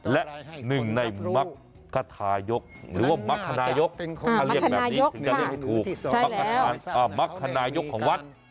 และหนึ่งในมักธนายกถึงจะเรียกถูกมักธนายกของวัด